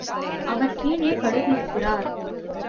அவர் கீழே படுத்திருக்கிறார்.